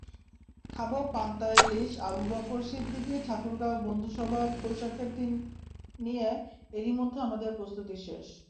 খাব পান্তা-ইলিশআবু বকর সিদ্দিকী ঠাকুরগাঁও বন্ধুসভাবৈশাখের দিন নিয়ে এরই মধ্যে আমাদের প্রস্তুতি শেষ।